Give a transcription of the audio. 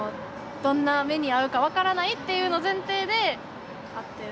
どんな目にあうか分からないっていうの前提で会ってる。